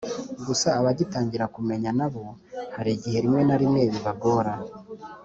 gusa abagitangira kumenyana bo hari igihe rimwe na rimwe bibagora.